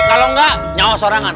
kalau enggak nyawa sorangan